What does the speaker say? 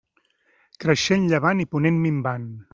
Creixent llevant i ponent minvant.